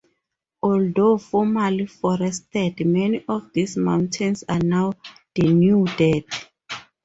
Although formerly forested, many of these mountains are now denuded.